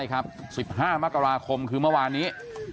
ครับสิบห้ามกราคมคือว่านี้